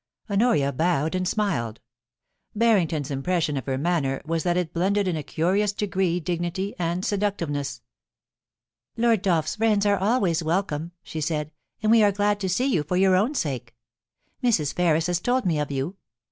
* Honoria bowed and smiled. Harrington's impression of her manner was that it blended in a curious degree dignity and seductiveness. * Lord Dolph's friends are always welcome,' she said, *and we are glad to see you for your own sake. Mrs. Ferris has told me of you.